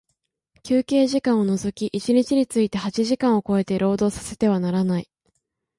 休憩時間を除き一日について八時間を超えて、労働させてはならない。